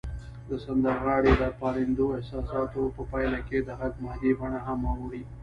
د سندرغاړي د پارندو احساساتو په پایله کې د غږ مادي بڼه هم اوړي